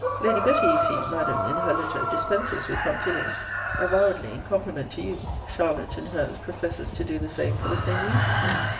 Lady Betty, you see, Madam, in her letter, dispenses with punctilo, avowedly in compliment to you. Charlotte, in her's, professes to do the same for the same reason.